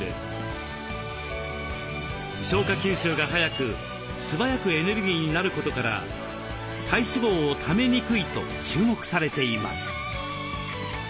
吸収がはやくすばやくエネルギーになることから体脂肪をためにくいと注目されています。